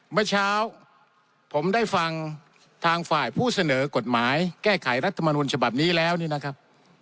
เมื่อเช้าผมได้ฟังทางฝ่ายผู้เสนอกฎหมายแก้ไขรัฐมนุนฉบับนี้แล้วนี่นะครับ